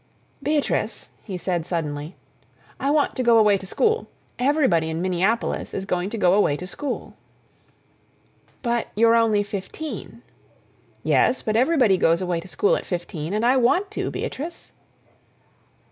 "Beatrice," he said suddenly, "I want to go away to school. Everybody in Minneapolis is going to go away to school." Beatrice showed some alarm. "But you're only fifteen." "Yes, but everybody goes away to school at fifteen, and I want to, Beatrice."